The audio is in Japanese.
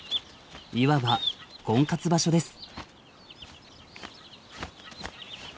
いわば婚活場所です。